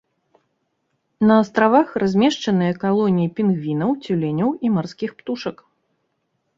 На астравах размешчаныя калоніі пінгвінаў, цюленяў і марскіх птушак.